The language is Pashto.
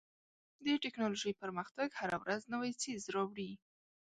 د ټکنالوژۍ پرمختګ هره ورځ نوی څیز راوړي.